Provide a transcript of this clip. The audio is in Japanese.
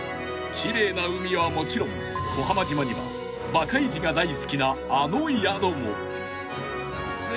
［奇麗な海はもちろん小浜島にはバカイジが大好きなあの宿も］